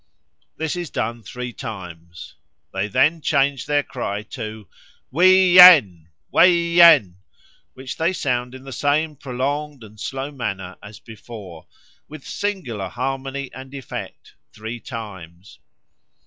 This is done three times. They then change their cry to 'Wee yen!' 'Way yen!' which they sound in the same prolonged and slow manner as before, with singular harmony and effect, three times.